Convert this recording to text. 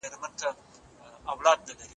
قسم د څو ميرمنو تر منځ څنګه وېشل کیږي؟